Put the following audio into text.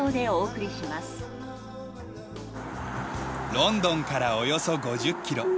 ロンドンからおよそ５０キロ